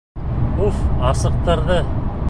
Уф, асыҡтырҙы.